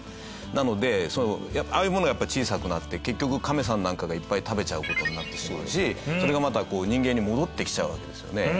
なのでああいうものが小さくなって結局カメさんなんかがいっぱい食べちゃう事になってしまうしそれがまた人間に戻ってきちゃうわけですよね。